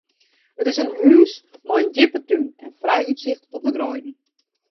It is in hús mei in djippe tún en frij útsicht op de greiden.